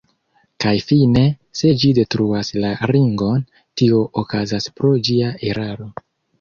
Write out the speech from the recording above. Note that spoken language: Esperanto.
Kaj fine se ĝi detruas la Ringon, tio okazas pro ĝia eraro.